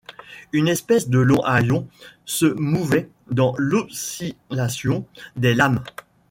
Une espèce de long haillon se mouvait dans l’oscillation des lames.